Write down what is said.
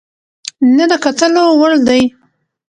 نه د کتلو وړ دى،